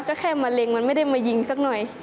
ก็แค่มะเร็งมันไม่ได้มายิงสักหน่อย